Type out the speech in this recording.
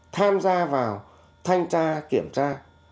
tham gia vào thanh tra kiểm tra